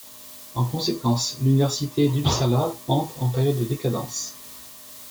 En conséquence, l’Université d'Uppsala entre en période de décadence.